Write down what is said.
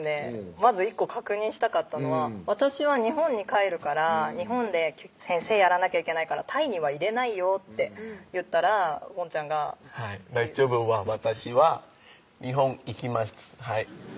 まず１個確認したかったのは「私は日本に帰るから日本で先生やらなきゃいけないからタイにはいれないよ」って言ったらボンちゃんが「はい大丈夫私は日本行きますはい」